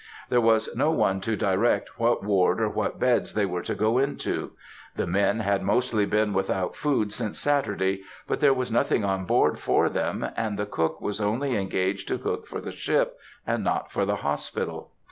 There was no one to direct what ward or what beds they were to go into. The men had mostly been without food since Saturday, but there was nothing on board for them, and the cook was only engaged to cook for the ship, and not for the hospital.